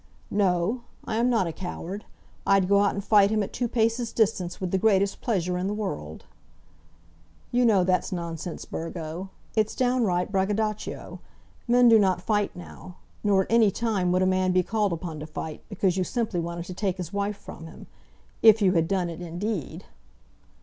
"No; I am not a coward. I'd go out and fight him at two paces' distance with the greatest pleasure in the world." "You know that's nonsense, Burgo. It's downright braggadocio. Men do not fight now; nor at any time would a man be called upon to fight, because you simply wanted to take his wife from him. If you had done it, indeed!"